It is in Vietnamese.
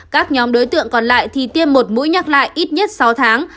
các nhóm đối tượng còn lại thì tiêm một mũi nhắc lại ít nhất sáu tháng